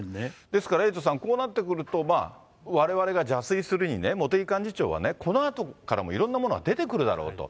ですからエイトさん、こうなってくると、われわれが邪推するにね、茂木幹事長は、このあとからもいろんなものが出てくるだろうと。